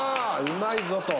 うまいぞ！と。